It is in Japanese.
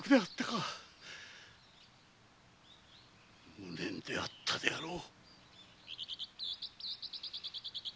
無念であったであろう。